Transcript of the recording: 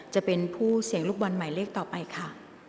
จะเป็นผู้เสี่ยงลูกบอลหมายเลขต่อไปค่ะ